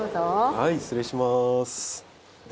はい失礼します。